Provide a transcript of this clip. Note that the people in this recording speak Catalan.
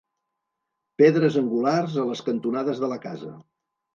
Pedres angulars a les cantonades de la casa.